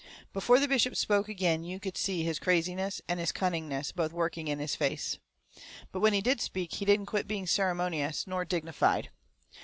Before the bishop spoke agin you could see his craziness and his cunningness both working in his face. But when he did speak he didn't quit being ceremonious nor dignified.